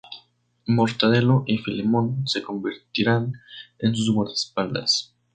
Mortadelo y Filemón se convertirán en sus guardaespaldas.